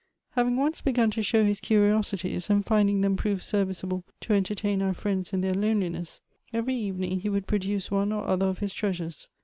Having once begun to show his curiosities, and finding them prove serviceable to entertain our friends in their loneliness; every evening he would produce one or other of his treasures.